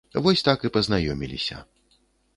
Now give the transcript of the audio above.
Вось так і пазнаёміліся.